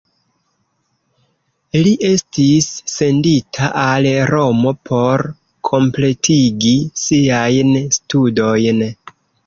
Li estis sendita al Romo por kompletigi siajn studojn.